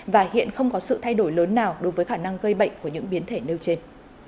và hiện không có sự thay đổi lớn nào đối với khả năng gây bệnh của những biến thể nêu trên